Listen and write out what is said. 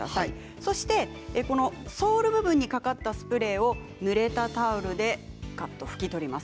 そしてソール部分にかかったスプレーをぬれたタオルで拭き取ります。